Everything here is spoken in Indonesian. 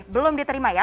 belum diterima ya